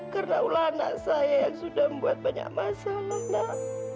karena ulang anak saya yang sudah membuat banyak masalah